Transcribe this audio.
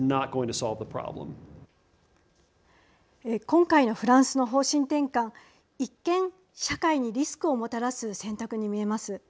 今回のフランスの方針転換一見、社会にリスクをもたらす選択に見えます。